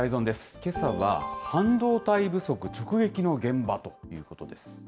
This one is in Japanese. けさは、半導体不足、直撃の現場ということです。